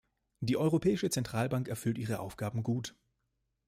Die Europäische Zentralbank erfüllt ihre Aufgaben gut.